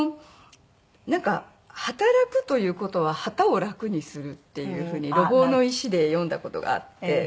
なんか「働くという事ははたを楽にする」っていうふうに『路傍の石』で読んだ事があって。